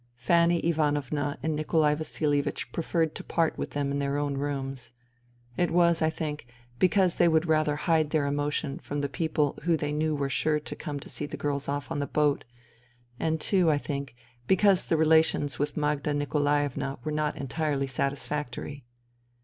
Fanny Ivanovna and Nikolai Vasilievich preferred to part with them in their own rooms. It was, I think, because they would rather hide their emotion from the people who they knew were sure to come to see the girls off on the boat, and too, I think, because the relations with Magda Nikolaevna were not entirely satisfactory.